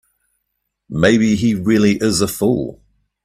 Maybe he really is a fool.